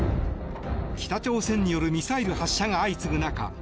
北朝鮮によるミサイル発射が相次ぐ中